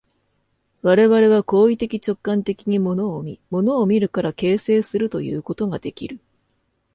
我々は行為的直観的に物を見、物を見るから形成するということができる。